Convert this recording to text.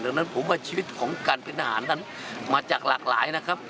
ดังนั้นผมว่าชีวิตของการเป็นทหารนั้นมาจากหลากหลายนะครับ